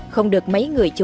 không được mấy người chú ý